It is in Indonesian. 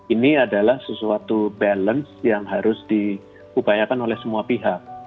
ini adalah sesuatu balance yang harus diupayakan oleh semua pihak